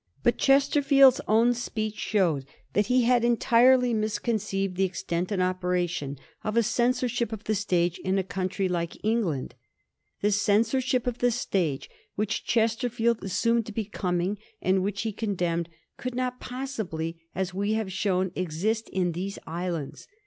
But Chesterfield's own speech showed that he had entirely misconceived the extent and operation of a censorship of the stage in a country like England. The censorship of the stage which Chesterfield assumed to be coming, and which he condemned, could not possibly, as we have shown, exist in these islands.